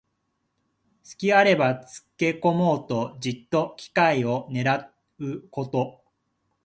すきがあればつけこもうと、じっと機会をねらうこと。